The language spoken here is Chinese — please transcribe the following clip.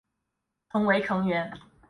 曾为成员。